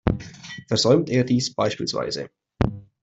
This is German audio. Versäumt er dies bspw.